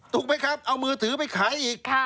ถูกไหมครับเอามือถือไปขายอีก